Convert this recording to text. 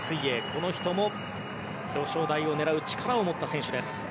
この人も表彰台を狙う力を持った選手です。